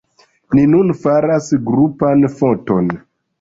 Ni nun faras grupan foton